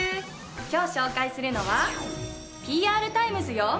今日紹介するのはＰＲＴＩＭＥＳよ。